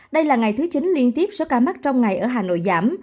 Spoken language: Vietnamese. đây là ngày thứ chín liên tiếp số ca mắc trong ngày ở hà nội giảm